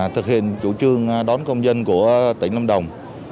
thực hiện chủ trương đón công dân của tỉnh lâm đồng